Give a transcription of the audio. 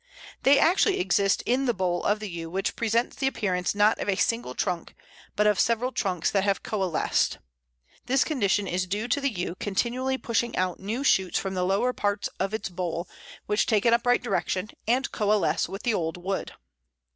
They actually exist in the bole of the Yew, which presents the appearance not of a single trunk, but of several trunks that have coalesced. This condition is due to the Yew continually pushing out new shoots from the lower part of its bole, which take an upright direction, and coalesce with the old wood.